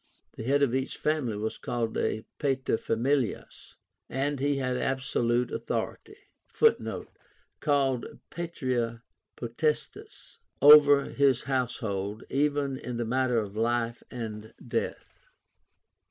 The head of each family was called PATER FAMILIAS, and he had absolute authority (Footnote: Called patria potestas.) over his household, even in the matter of life and death.